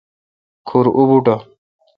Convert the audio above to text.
کھور اوبوٹھ۔